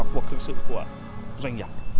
cuộc thực sự của doanh nghiệp